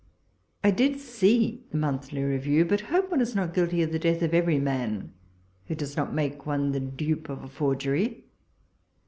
I did see the Moiiilily Jievirw, but hope one is not guilty of the death of every man who does not make one the dupe of a forgery.